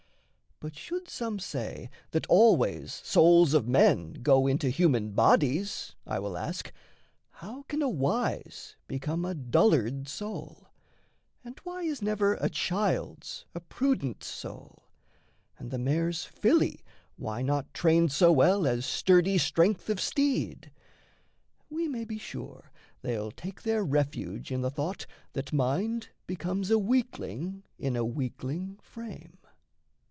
But should some say that always souls of men Go into human bodies, I will ask: How can a wise become a dullard soul? And why is never a child's a prudent soul? And the mare's filly why not trained so well As sturdy strength of steed? We may be sure They'll take their refuge in the thought that mind Becomes a weakling in a weakling frame.